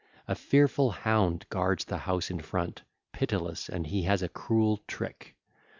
A fearful hound guards the house in front, pitiless, and he has a cruel trick.